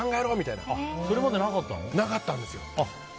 なかったんですよ。